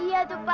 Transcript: iya tuh pak